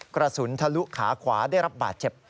กระสุนทะลุขาขวาได้รับบาดเจ็บ